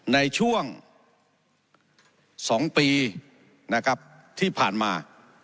ในช่วงสองปีที่ผ่านมา